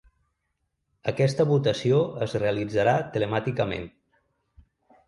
Aquesta votació es realitzarà telemàticament.